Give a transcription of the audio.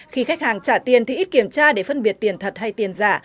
khi khách hàng trả tiền thì ít kiểm tra để phân biệt tiền thật hay tiền giả